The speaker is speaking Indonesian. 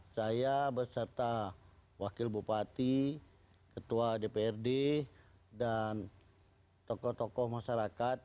saya berserta wakil bupati ketua dprd dan tokoh tokoh masyarakat